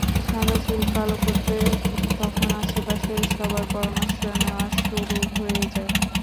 সাদা চুল কালো করতে তখন আশপাশের সবার পরামর্শ নেওয়া শুরু হয়ে যায়।